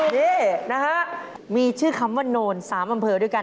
นี่นะครับมีชื่อคำว่านโนลสามอำเภอด้วยกัน